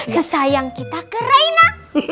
sesayang kita ke reina